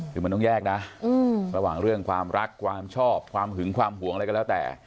คือมันต้องแยกนะระหว่างเรื่องความรักความชอบความหึงความห่วงอะไรก็แล้วแต่